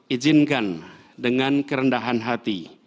ijinkan dengan kerendahan hati